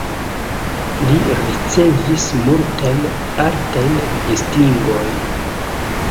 Li ricevis multajn altajn distingojn.